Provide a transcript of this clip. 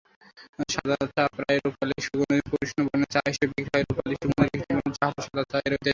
সাদা চা প্রায়ই রূপালি-সুগন্ধি কৃষ্ণ বর্ণের চা হিসেবে বিক্রি হয়। রূপালি-সুগন্ধি কৃষ্ণ বর্ণের চা হলো সাদা চা এর ঐতিহাসিক নাম।